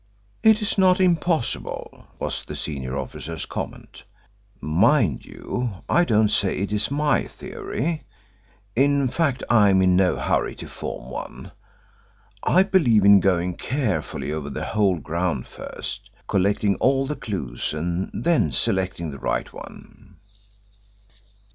"It is not impossible," was the senior officer's comment. "Mind you, I don't say it is my theory. In fact, I am in no hurry to form one. I believe in going carefully over the whole ground first, collecting all the clues and then selecting the right one."